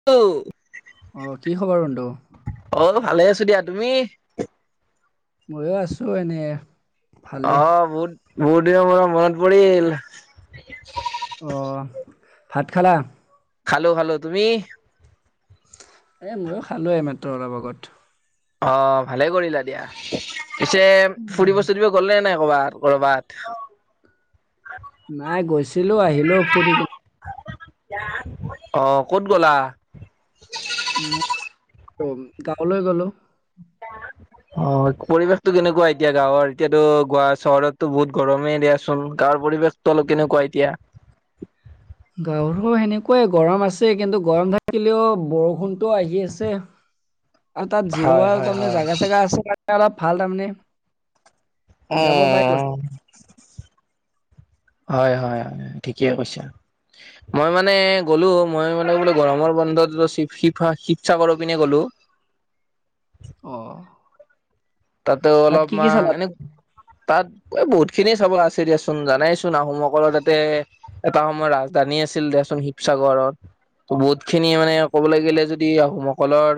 [unintelligible] অ', কি খবৰ বন্ধু? অ', বোলো ভালে আছো দিয়া, তুমি? মইয়ো আছো এনেইৱে। অ', বহুত, বহুত দিনৰ মুৰত মনত পৰিল। অ', ভাত খালা? খালো, খালো। তুমি? এ মইয়ো খালো এইমাত্ৰ অলপ আগত। অ', ভালেই কৰিলা দিয়া, পিছে ফুৰিব ফুৰিব গল নে নাই? কৰ'বাত, কৰ'বাত। নাই গৈছিলো, আহিলো ফু্ৰি কিন অ', ক'ত গ'লা? [unintelligible] গাঁৱলৈ গ'লো। [inaudible] অ', পৰিৱেশটো কেনেকুৱা এতিয়া গাঁৱৰ, এতিয়াতো গোৱা চহৰতো বহুত গৰমেই দিয়াচোন গাঁৱৰ পৰিৱেশ শতো কেনেকুৱা এতিয়া? গাঁৱৰও সেনেকুৱাই গৰম আছে, কিন্তু গৰম থাকিলেও বৰষুণটো আহি আছে। [inaudible] আৰু তাত হয় জিৰোৱা হয় তাৰমানে হয় জাগা চাগা আছে, [unintelligible] অলপ ভাল তাৰমানে জিৰাব পাৰি অ'। [inaudible] হয়, হয়, হয়, ঠিকে কৈছা। মই মানে গ'লো, মই মানে বোলো গৰমৰ বন্ধত শি-শিৱসাগৰ পিনে গ'লো। অ'। তাতো তাত কি কি অলপমান চালা এনে তাত বহুত খিনি চাব আছে দিয়াচোন, জানাইচোন আহোমসকলৰ তাতে এটা সময় ৰাজধানী আছিল দিয়াচোন শিৱসাগৰৰ। ত' বহুত খিনি মানে ক'বলৈ গলে যদি আহোমসকলৰ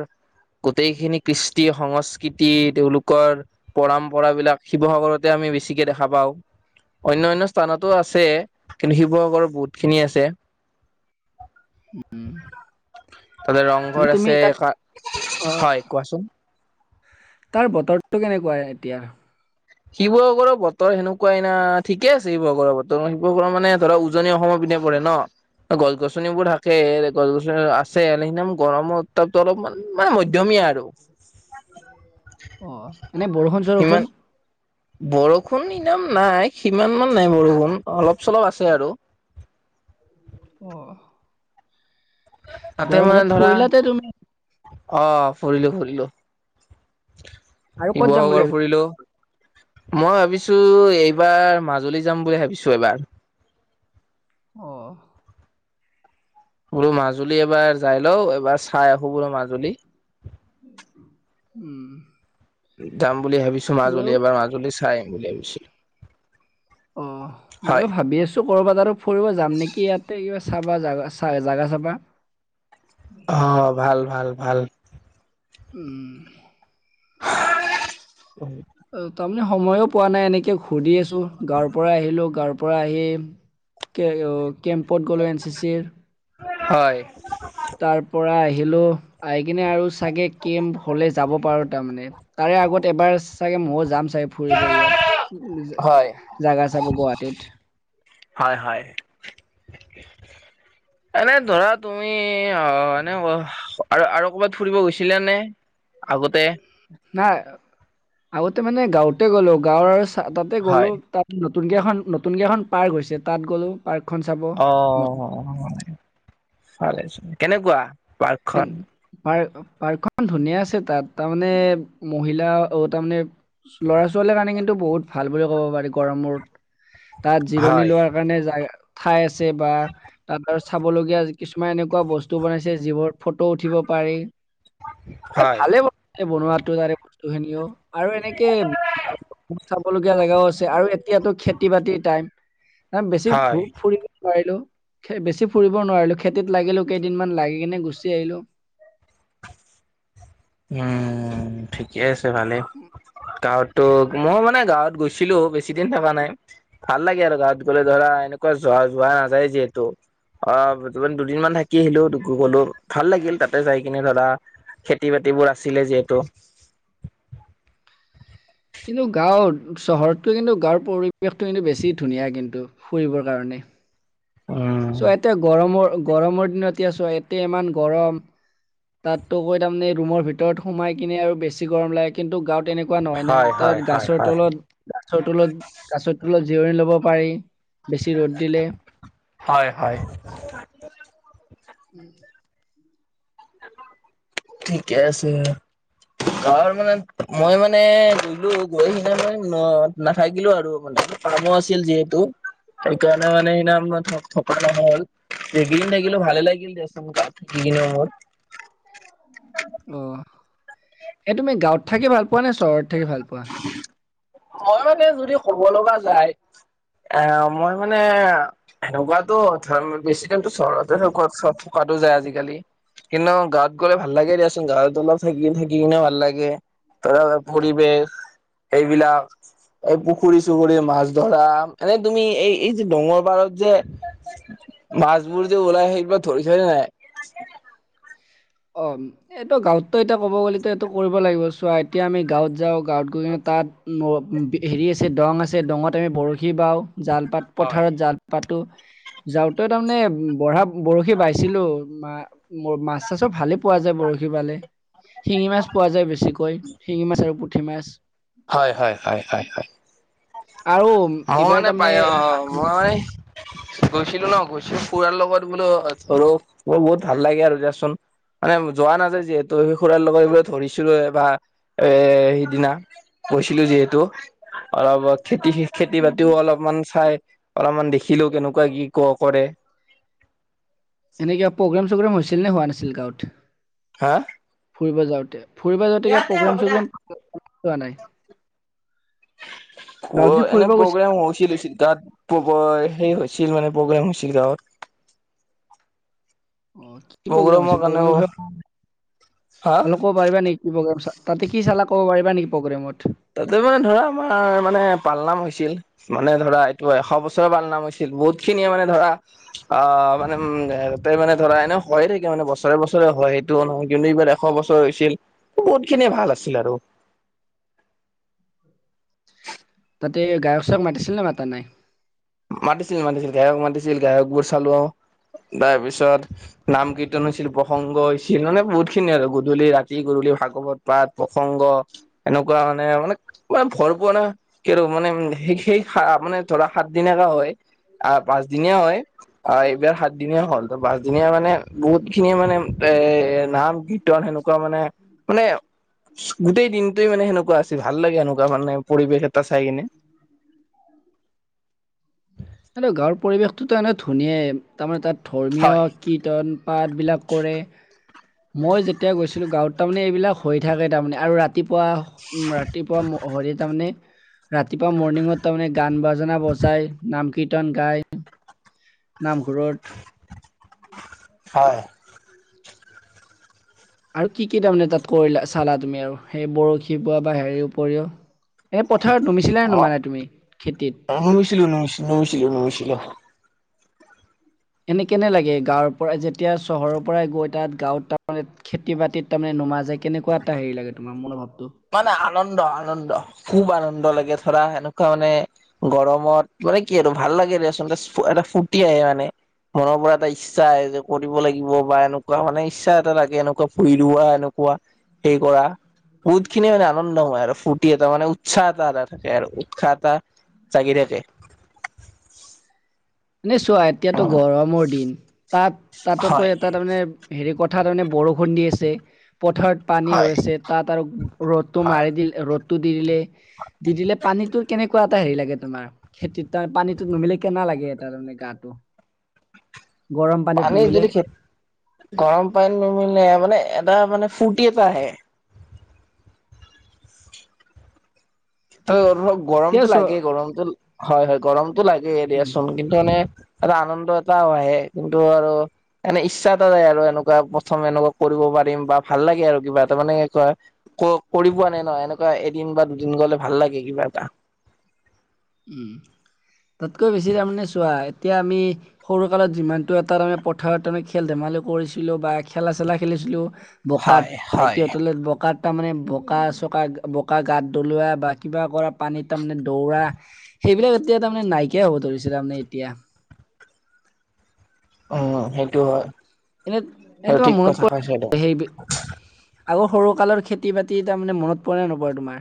গোটেইখিনি কৃষ্টি-সংস্কৃতি তেওঁলোক কৰ পৰম্পৰা বিলাক শিৱসাগৰতে আমি বেছিকে দেখা পাওঁ। অন্য, অন্য, স্থানতো আছে। কিন্তু, শিৱসাগৰত বহুতখিনি আছে। উম। তাতে ৰংঘৰ আছে কা, অ হয় কোৱাচোন? তাৰ বতৰটো কেনেকুৱা এতিয়া? শিসাগৰৰ বতৰ সেনেকুৱাইনা ঠিকে আছে শিৱসাগৰৰ বতৰ, শিৱসাগৰৰ মানে ধৰা উ উজনী অসমৰ পিনে পৰে ন'। গছ গছনিবোৰ থাকে, গছ গছনি আছে সিদিনা গৰমৰ উত্তাপটো অলপমান মানে মধ্যমীয়া আৰু। অ' এনে বৰষুণ সিমান চৰষুণ? বৰষুণ ইদাম নাই, সিমান মান নাই বৰষুণ অলপ চলপ আছে আৰু। অ'। তাতে গৰম মানে বন্ধত ধৰা ফুৰিলাতে তুমি অ' ফুৰিলো ফুৰিলো। আৰু ক'ত যাম বুলি শিৱসাগৰ ভাবিছা ফুৰিলো মই ভাবিছোঁ এইবাৰ মাজুলী যাম বুলি ভাবিছোঁ এইবাৰ। অ'। বোলো মাজুলী এবাৰ যাই লওঁ, এইবাৰ চাই আহোঁ বোলো মাজুলী। উম। যাম বুলি ভাবিছোঁ, মাজুলী এবাৰ মাজুলী চাই আহিম বুলি ভাবিছোঁ। অ' হয়। ময়ো ভাবি আছোঁ। ক'ৰবাত আৰু ফুৰিব যাম নেকি, ইয়াতে কিবা চাবা জ জাগা চাবা। অ' ভাল ভাল ভাল। উম। [unintelligible] অ' তাৰমানে সময়ো পোৱা নাই এনেকে ঘূৰি আছোঁ, গাঁৱৰপৰা আহিলো, গাঁৱৰপৰা পৰা আহি কে-কেম্পত গ'লোঁ এন চি চিৰ। হয়। তাৰপৰা আহিলোঁ আহি কিনে আৰু চাগে কেম্প হ'লে যাব পাৰোঁ তাৰমানে। তাৰে আগত এবাৰ চাগে ময়ো যাম চাগে। ফুৰিব ইয়াত, হয়। জাগা চাব গুৱাহাটীত। হয় হয়। [inaudible] এনে ধৰা তুমি আ, এনে আৰু আৰু কৰ'বাত ফুৰিব গৈছিলা নে? আগতে নাই, আগতে মানে গাঁৱতে গ'লো, গাঁৱৰ চা তাতে গ'লো হয়। তাত নতুনকে এখন, নতুনকে এখন পাৰ্ক হৈছে তাত গ'লো। পাৰ্কখন চাব। মত- অ' ভালে হৈছে। কেনেকুৱা? হেন পাৰ্কখন? পাৰ্ক পাৰ্কখন ধুনীয়া আছে তাত, তাৰমানে মহিলা অ' তাৰমানে ল'ৰা ছোৱালীৰ কাৰণে কিন্তু বহুত ভাল বুলি ক'ব পাৰি গৰমত, তাত জিৰণি হয় লোৱাৰ কাৰণে জা ঠাই আছে বা তাত আৰু চাবলগীয়া কিছুমান এনেকুৱা বস্তু বনাইছে যিবোৰ ফটো উঠিব পাৰি। এ, হয় ভালে বনোৱাটো তাৰে বস্তুখিনিও আৰু এনেকে চাব লগীয়া জেগাও আছে আৰু এতিয়াতো খেতি বাতিৰ টাইম, বেছি হয় ফুৰ ফুৰি নোৱাৰিলো, বেছি ফুৰিব নোৱাৰিলো, খেতিত লাগিলো কেইদিনমান লাগি কিনে গুচি আহিলো। উম, ঠিকে আছে ভালেই। গাঁৱত ত' মই মানে গাঁৱত গৈছিলোঁ, বেছি দিন থকা নাই। ভাল লাগে আৰু গাঁৱত গ'লে ধৰা এনেকুৱা যোৱা যোৱা নাযায় যিহেতু। অ' য দুদিনমান থাকি আহিলোঁ, গ'লো ভাল লাগিল তাতে চাই কিনে ধৰা খেতি বাতিবোৰ আছিলে যিহেতু। কিন্তু গাঁৱত চহৰতটো কিন্তু গাঁৱৰ পৰিৱেশটো কিন্তু বেছি ধুনীয়া কিন্তু ফুৰিবৰ কাৰণে। উম চ' এতে গৰমৰ গৰমৰ দিনতে চোৱা এতে ইমান গৰম তাতো কৈ তাৰমানে এই ৰুমৰ ভিতৰত সোমাই কিনে আৰু বেছি গৰম লাগে। কিন্তু গাঁৱত এনেকুৱা নহয় না হয় হয় তাত হয় গাছৰ হয়। তলত গাছৰ তলত গাছৰ তলত জিৰণি ল'ব পাৰি বেছি ৰ'দ দিলে হয়, হয়। ঠিকে আছে। গাঁৱৰ মানে মই মানে গলো গৈ সি মই ন নাথাকিলো আৰু মা কামো আছিল যিহেতু সেইকাৰণে মানে সেইদিনা থকা নহ'ল যিকেইকেইদিন থাকিলো ভালে লাগিল দেচোন। নম্বৰ [unintelligible] অ', এই তুমি গাঁৱত থাকি ভাল পোৱা নে চহৰত থাকি ভাল পোৱা? ঘ [unintelligible] তে যদি ক'ব লগা যায়। এ মই মানে সেনেকুৱাতো ধ বেছি টাইমতো চহৰতে থকাতো যায় আজিকালি কিন্তু গাঁৱত গ'লে ভাল লাগে দিয়াচোন গাঁৱত অলপ থাকি থাকি কিনে ভাল লাগে ত পৰিৱেশ এইবিলাক এই পুখুৰী চুখুৰী মাছ ধৰা এনেই তুমি এই, এই যে ডঙৰ পাৰত যে মাছবোৰ যে ওলাই সেইবাক ধৰি থৰি নাই। অহ। এইটো গাঁৱততো এতিয়া ক'ব গ'লে এইটো কৰিব লাগিব চোৱা এতিয়া আমি গাঁৱত যাওঁ গাঁৱত গৈ তাত হেৰি আছে দং আছে দংত আমি বৰশী বাওঁ জালপাত হয় পথাৰত জাল পাতো যাওঁতে তাৰমানে বঢ়া বৰশী বাইছিলো মোৰ মাছ তো চব ভালে পোৱা যায় বৰশী পালে শিঙি মাছ পোৱা যায়, বেছিকৈ শিঙি মাছ আৰু পুঠি মাছ। হয়, হয়, হয়, হয়, হয় আৰু মোৰ এইবাৰ মানে তাৰমানে পায় অ', মই মানে গৈছিলো ন গৈছিলো খুৰাৰ লগত বোলো ধৰক ম বহুত ভাল লাগে আৰু দিয়াচোন মানে যোৱা নাযায় যিহেতু খুৰাৰ লগাত ইবাৰ ধৰিছিলোয়ে এ বা এ সিদিনা গৈছিলো যিহেতু অলপ খেতি খেতি বাতিও অলপমান চাই অলপমান দেখিলোঁ কেনেকুৱা কি ক কৰে এনে কিবা প্ৰগ্ৰেম চগ্ৰেম হৈছিল নে হোৱা নাছিল গাঁৱত হা। ফুৰিব যাওঁতে ফুৰিব যাওঁতে কিবা প্ৰগ্ৰেম চগ্ৰেম চোৱা নাই। অ', গাঁৱত যে এনে ফুৰিব গৈছিল প্ৰগ্ৰাম হৈছিলি লৈচে তাত প্ৰগ সে হৈছিল মানে প্ৰগ্ৰেম হৈছিল গাঁৱত। অ', কি প্ৰগ্ৰেম প্ৰগ্ৰেমৰ আছিল কাৰণেও প্ৰগ্ৰেৰ বিষয়ে হা অলপ ক'ব পাৰিবা নেক কি প্ৰগেম তাতে কি চালা ক'ব পাৰিবা নেকি প্ৰগ্ৰেমত। তাতে মানে ধৰা আমাৰ মানে পালনাম হৈছিল। মানে ধৰা এইটো এশ বছৰৰ পাল নাম হৈছিল বহুত খিনিয়ে মানে ধৰা অ', মানেতে মানে ধৰা এনে হয়য়ে থাকে মানে বছৰে, বছৰে হয়। নহয় কিন্তু এইবাৰ এশ বছৰ হৈছিল বহুত খিনিয়ে ভাল আছিল আৰু। তাতে গায়ক চায়ক মাতিছিল নে মাতা নাই। মাতিছিল মাতিছিল গায়ক মাতিছিল গায়কবোৰ চালো তাৰপিছত নাম কীৰ্তন হৈছিল প্ৰসংগ হৈছিল মানে বহুত খিনি আৰু গধূলি ৰাতি গধূলি ভাগৱত পাত প্ৰসংগ এনেকুৱা মানে মানে মানে ভৰপোৱা না কিটো মানে সেই মানে ধৰা সাত সনেকা হয়। আহ পাঁচদিনীয়া হয় আহ এইবাৰ সাত দিনীয়া হ'ল ত পাঁচদিনীয়া মানে বহুত খিনিয়ে মানে এ নাম কীৰ্তন সেনেকুৱা মানে মানে গোটেই দিনটোৱে মানে সেনেকুৱা আছিল ভাল লাগে সেনেকুৱা মানে পৰিৱেশ এটা চাই কিনে এই গাঁৱৰ পৰিৱেশটেতো এনে ধুনীয়াই তাৰমানে তাত হয় ধৰ্মীয় কি কীৰ্তন পাতবিলাক কৰে। মই যেতিয়া গৈছিলোঁ গাঁৱত তামানে এইবিলাক হৈ থাকে তামানে আৰু ৰা তিপুৱা উম ৰাতিপুৱা ম, হৰি তামানে ৰাতিপুৱা মৰ্ণিঙত তামানে গান বাজানা বজাই, নাম কীৰ্তন গাই। নামঘৰত। হয়। আৰু কি কি তামানে তাত কইলা, চালা তুমি আৰু সেই বৰশী পোৱা বা হেৰিৰ উপৰিও। এ পথাৰত নুমিছিলা, নোমাৰা তুমি, খেতিত। অ' নুমিছিলো, নুমিছি, নুমিছিলো, নুমিছিলো। এনে কেনে লাগে গাঁৱৰ পৰা যেতিয়া চহৰৰ পৰাই গৈ তাত গাঁৱত [unintelligible] খেতি বাতিত তামানে নুমা যায় কেনেকুৱা এটা হেৰি লাগে তোমাৰ মনোভাৱটো। মানে আনন্দ, আনন্দ, খুব আনন্দ লাগে ধৰা হেনেকুৱা মানে গৰমত মানে কি আৰু ভাল লাগে দেচোন এটাচ ফু, এটা ফুৰ্তি আহে মানে। মনৰ পৰা এটা ইচ্ছা আহে যে কৰিব লাগিব বা এনেকুৱা মানে ইচ্ছা এটা থাকে এনেকুৱা ফুই লোৱা এনেকুৱা। হেই কৰা। বুট খিনি মানে আনন্দ হয় আৰু ফুৰ্টি এটা মানে উৎচাহ এটা এটা থাকে আৰু উৎসাহ এটা। চাগি থাকে। নে চোৱা এতিয়াতো গৰমৰ দিন তাত, হয় তাতোকৈ এটা তামানে হেৰি কথা তামানে বৰষুণ দি আছে পথাত পানী হৈ হয় আছে তাত আৰু ৰ'দটো হয় মাই দিল, ৰ'দটো দি দিলে দি দিলে পানীতো কেনেকুৱা এটা হেৰি লাগে তোমাৰ খেতিত, তা পানীতোত নুমিলে কেনা লাগে? তাৰনে গাটো। গৰম পানীত পানী নুমিলে যদি খেত, গৰম পানী নুমিলে মানে এটা মানে ফূৰ্তি এটা আহে। ত' অলপ এতিয়া গৰমটো চোৱা লাগে, গৰমটো, হয় হয় গৰমটো লাগেই দিয়াচোন কিন টো মানে এটা আনন্দ এটা বাঢ়ে কিন্তু আৰু এনে ইচ্ছা এটা যায় আৰু এনেকুৱা, প্ৰথম এনেকুৱা কৰিব পাৰিম বা ভাল লাগে আৰু কিবা এটা মানে কয় ক-কৰি পোৱা নাই ন। এনেকুৱা এদিন বা দুদিন গ'লে ভাল লাগে কিবা এটা। উ, তাতকৈ বেছি তামানে চোৱা এতিয়া আমি সৰু কালত যিমানটো এটা তামানে পথাৱত তামানে খেল-ধেমালি কৰিছিলোঁ বা খেলা চেলা খেলিছিলোঁ বকাত হয় হয় ভাইটিহতঁ ল বকাত তামানে বকা-চকা, বকা গাত দলোৱা বা কিবা কৰা পানীত তামানে দৌৰা সেইবিলাক এতিয়া তামানে নাইকিয়াই হ'ব ধৰিছে তামানে এতিয়া। অ' হেটো হয়। এনে, এনে সেইটো তোমাৰ ঠিক কথা মনত কৈছা এইটো [unintelligible] হেইবি আগৰ সৰুকালৰ খেতি-বাতি তামানে মনত পৰে নে নপৰে তোমাৰ?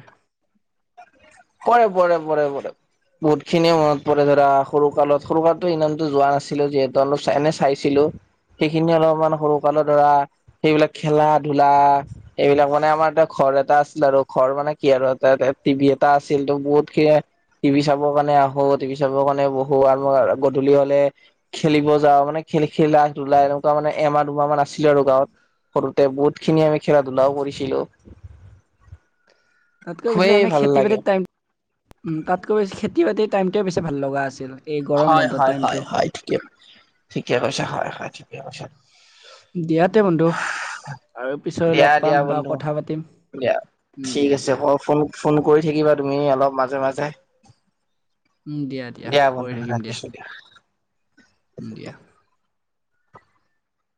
পৰে, পৰে, পৰে, পৰে। বহুত খিনিয়ে মনত পৰে ধৰা সৰুকালত, সৰুকালততো ইমানতো যোৱা নাছিলোঁ যিহেতু অলপ চা, এনে চাইছিলোঁ। সেইখিনি অলপমান সৰুকালৰ ধৰা, সেইবিলাক খেলা-ধূলা এইবিলাক মানে আমাৰ এটা ঘৰ এটা আছিলে আৰু ঘৰ মানে কি আৰু [unintelligible] টিভি এ টা আছিল ত' বহুত সিয়ে টিভি চাব কাণে আহোঁ, টিভি চাব কাণে বহোঁ, আৰু আৰ-আ গধূলি হ'লে খেলিব যাওঁ মানে খেলি, খেলা-ধূলা এনেকুৱা মানে এমাহ দুমাহমান আছিলোঁ আৰু গাঁৱত। সৰুতে বহুত খিনি আমি খেলা-ধূলাও কৰিছিলোঁ। [inaudible] তাতকৈ বেছি তাৰমানে ভাল খেতি লাগে বাতিত টাইম, উ তাতকৈ বেছি খেতি-বাতি টাইমটোৱে বেছি ভাল লগা আছিল। এই গৰম হয় বন্ধ হয় হয় টাইমটো। হয় ঠিকে, ঠিকে কৈছা হয় হয়, ঠিকে কৈছা। দিয়া তে বন্ধু। আৰু পিছলৈ দিয়া লগ পাম দিয়া বা বন্ধু, কথা পাতিম দিয়া উম, ঠিক দিয়া আছে দিয়া ক ফোন ফোন কই থাকিবা তুমি অলপ মাজে মাজে। উম দিয়া দিয়া, কৰি থাকিম দিয়া। উম, দিয়া।